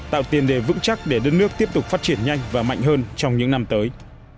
tạo tiền đề vững chắc để đất nước tiếp tục phát triển nhanh và mạnh hơn trong những năm tới